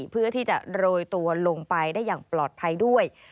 เพื่อที่จะโรยตัวลงไปได้อย่างปลอดภัยด้วย